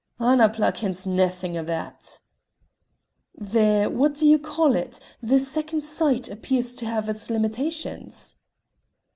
"Annapla kens naething o' that " "The what do you call it? the Second Sight appears to have its limitations."